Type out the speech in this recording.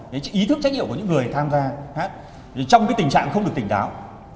cái ý thức trách nhiệm của những người tham gia hát trong cái tình trạng không được tỉnh đáo